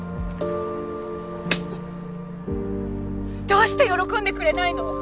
どうして喜んでくれないの！